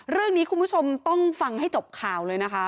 เรื่องนี้คุณผู้ชมต้องฟังให้จบข่าวเลยนะคะ